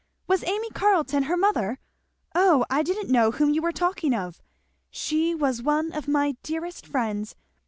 Was Amy Carleton her mother? O I didn't know whom you were talking of. She was one of my dearest friends.